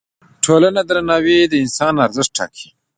د ټولنې درناوی د انسان ارزښت ټاکه.